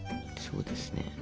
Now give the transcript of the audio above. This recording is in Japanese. そうですね。